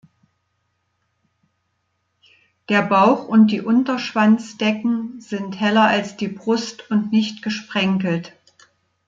Der Bauch und die Unterschwanzdecken sind heller als die Brust und nicht gesprenkelt.